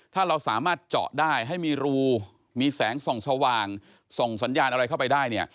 ถ้าเราสามารถเจาะได้ให้มีรูมีแสงส่องสว่างส่งสัญญาณอะไรเข้าไปได้เนี่ย